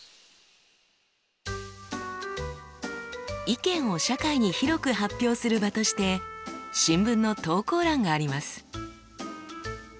意見を社会に広く発表する場として新聞の投稿欄があります。